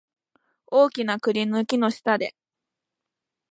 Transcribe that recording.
大きな栗の木の下で